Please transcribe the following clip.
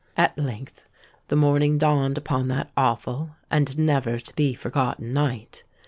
"At length the morning dawned upon that awful and never to be forgotten night.